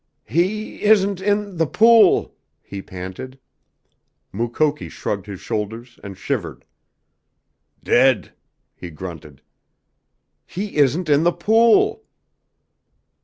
"He isn't in the pool!" he panted. Mukoki shrugged his shoulders and shivered. "Dead!" he grunted. "He isn't in the pool!"